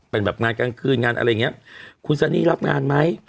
เป็นแบบงานกลางคืนงานอะไรอย่างนี้คุณซันนี่รับงานไหม